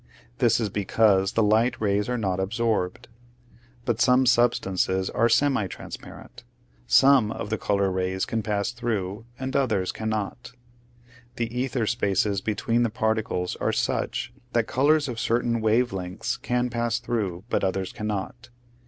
This is because the light rays are not absorbed. But some sub stances are semi transparent; some of the color rays can pass through and others cannot. The ether spaces between the particles are such that colors of certain wave lengths can pass through but others cannot.